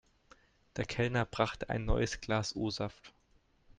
Der Kellner brachte ein neues Glas O-Saft.